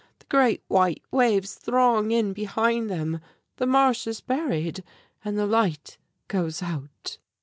The great white waves throng in behind them the Marsh is buried and the light goes out!"